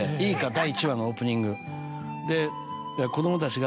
第１話のオープニング」。